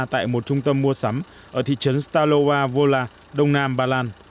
tại một trung tâm mua sắm ở thị trấn stalowa wola đông nam bà lan